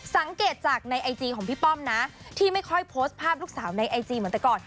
สังเกตจากในไอจีของพี่ป้อมนะที่ไม่ค่อยโพสต์ภาพลูกสาวในไอจีเหมือนแต่ก่อน